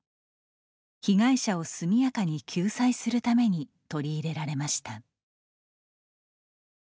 被害者を速やかに救済するために取り入れられました。